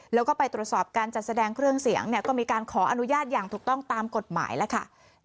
แล้วก็ไปตรวจสอบการจัดแสดงเครื่องเสียงก็มีการขออนุญาตอย่างถูกต้องตามกฎหมายแล้วค่ะ